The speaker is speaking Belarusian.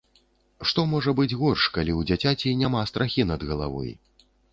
Што можа быць горш, калі ў дзіцяці няма страхі над галавой.